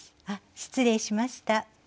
あっ失礼しました。